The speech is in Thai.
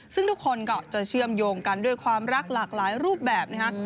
ซึ่งทุกคนก็จะเชื่อมโยงกันด้วยความรักหลากหลายรูปแบบนะคะ